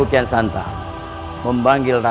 jaga dewa batara